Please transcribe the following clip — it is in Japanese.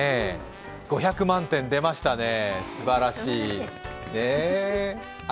５００万点出ましたね、すばらしい。